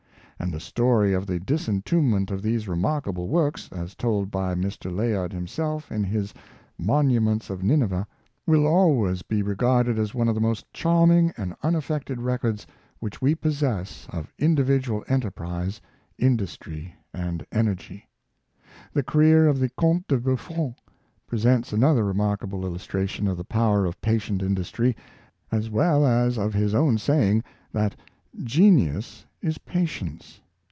And the story of the disentombment of these remarkable works, as told by Mr. Layard him self, in his " Monuments of Ninevah,'' will always be regarded as one of the most charming and unaffected records which we possess of individual enterprise, in dustry, and energy. The career of the Comte de Buffon presents another remarkable illustration of the power of patient indus try, as well as of his own saying, that " Genius is pa tience."